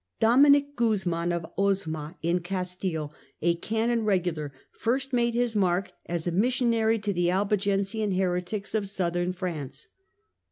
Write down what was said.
Dominic Guzman of Osma in Castile, a Canon Eegular, first made his mark as a missionary to the Albigensian heretics of Southern France.